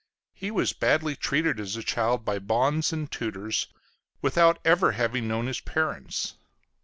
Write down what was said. He was badly treated as a child by bonnes and tutors, without ever having known his parents.